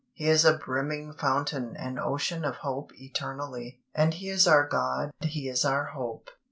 He is a brimming fountain and ocean of hope eternally, and He is our God. He is our Hope.